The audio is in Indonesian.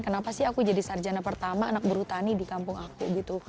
kenapa sih aku jadi sarjana pertama anak berhutani di kampung aku gitu